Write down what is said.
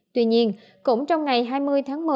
tuy nhiên cũng trong ngày hai mươi tháng một mươi